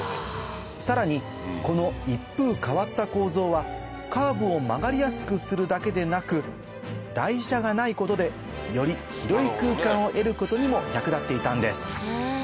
さらにこの一風変わった構造はカーブを曲がりやすくするだけでなく台車がないことでより広い空間を得ることにも役立っていたんです